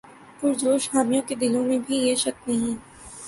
پرجوش حامیوں کے دلوں میں بھی یہ شک نہیں